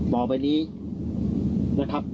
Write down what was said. บอกไปนี้นะครับ